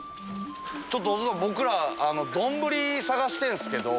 ちょっと僕ら丼探してんすけど。